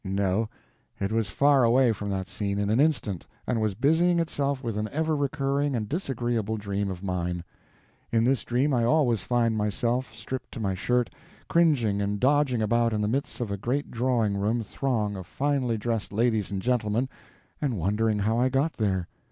No—it was far away from that scene in an instant, and was busying itself with an ever recurring and disagreeable dream of mine. In this dream I always find myself, stripped to my shirt, cringing and dodging about in the midst of a great drawing room throng of finely dressed ladies and gentlemen, and wondering how I got there.